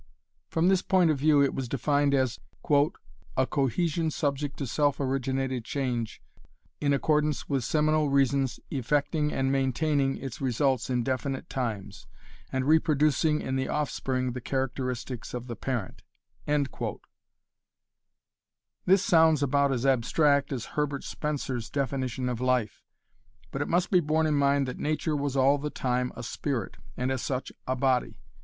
From this point of view, it was defined as "a cohesion subject to self originated change in accordance with seminal reasons effecting and maintaining its results in definite times, and reproducing in the offspring the characteristics of the parent". This sounds about as abstract as Herbert Spencer's definition of life, but it must be borne in mind that nature was all the time a 'spirit', and as such a body.